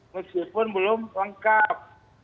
meskipun belum lengkap